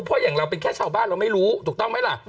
เพราะอย่างเราเป็นแค่ชาวบ้านเราไม่รู้ถูกต้องไหมล่ะ